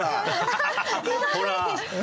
ほら。